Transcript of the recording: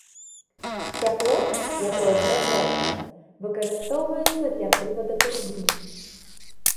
Цяпло, якое вырабляецца, выкарыстоўваецца для прывада турбін.